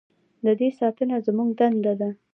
د دې ساتنه زموږ دنده ده؟